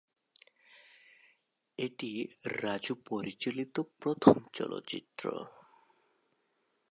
এটি রাজু পরিচালিত প্রথম চলচ্চিত্র।